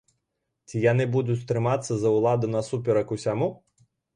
Ці яны будуць трымацца за ўладу насуперак усяму?